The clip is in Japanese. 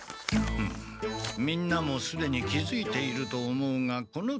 「みんなもすでに気づいていると思うがこのたび」。